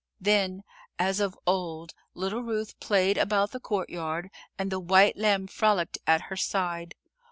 Then, as of old, little Ruth played about the courtyard and the white lamb frolicked at her side.